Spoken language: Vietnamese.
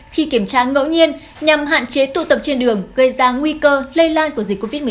khi kiểm tra ngẫu nhiên nhằm hạn chế tụ tập trên đường gây ra nguy cơ lây lan của dịch covid một mươi